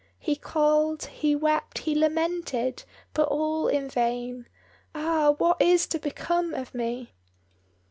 He called, he wept, he lamented, but all in vain, "Ah, what is to become of me?"